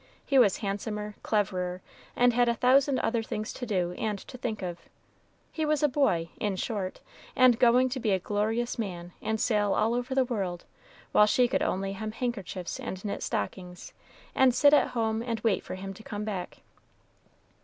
He was handsomer, cleverer, and had a thousand other things to do and to think of he was a boy, in short, and going to be a glorious man and sail all over the world, while she could only hem handkerchiefs and knit stockings, and sit at home and wait for him to come back.